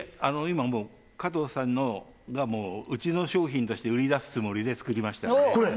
今もう加藤さんのがもううちの商品として売り出すつもりで作りましたんでこれ？